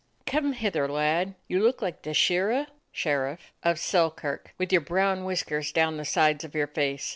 "Come hither, lad. You look like the shir ra [sherriff] of Selkirk, with your brown whiskers down the sides of your face.